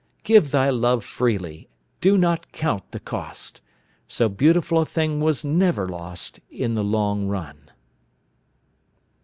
Give thy love freely; do not count the cost; So beautiful a thing was never lost In the long run.